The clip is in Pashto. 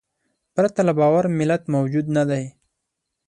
پرته له باور ملت موجود نهدی.